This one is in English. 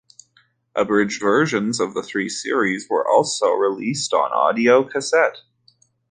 Abridged versions of the three series were also released on audio cassette.